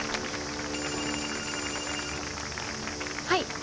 はい。